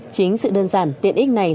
chính sự đơn giản tiện ích này